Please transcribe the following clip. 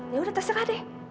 ya sudah terserah dek